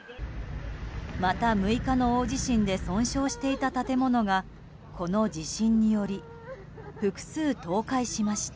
また、６日の大地震で損傷していた建物がこの地震により複数倒壊しました。